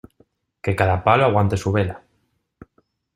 Que cada palo aguante su vela.